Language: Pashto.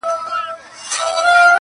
نیمه شپه روان د خپل بابا پر خوا سو.!